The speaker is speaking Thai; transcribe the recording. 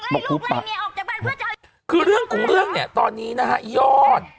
บอกหุบปากคือเรื่องของเรื่องเนี้ยตอนนี้นะคะยอด